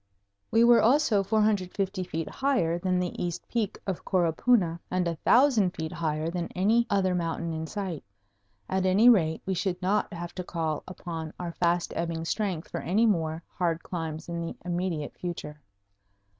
We were also 450 feet higher than the east peak of Coropuna, and a thousand feet higher than any other mountain in sight. At any rate, we should not have to call upon our fast ebbing strength for any more hard climbs in the immediate future.